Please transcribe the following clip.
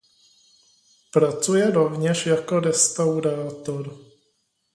Pracuje rovněž jako restaurátor.